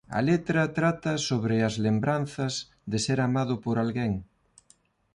A letra trata sobre as lembranzas de ser amado por alguén.